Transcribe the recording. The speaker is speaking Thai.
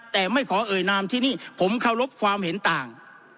แต่ไม่ขอเอ่ยนามที่นี่ผมเคารพความเห็นต่าง